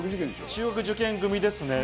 中学受験組ですね。